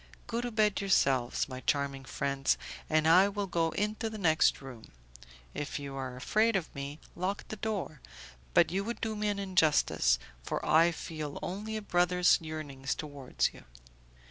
Go to bed yourselves, my charming friends, and I will go into the next room. If you are afraid of me, lock the door, but you would do me an injustice, for I feel only a brother's yearnings towards you."